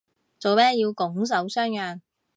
做咩要拱手相讓